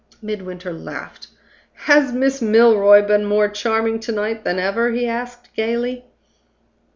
Midwinter laughed. "Has Miss Milroy been more charming to night than ever?" he asked, gayly.